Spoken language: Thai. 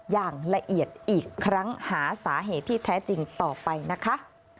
อย่างละเอียดอีกครั้งหาสาเหตุที่แท้จริงต่อไปนะคะ